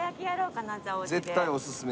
絶対おすすめ。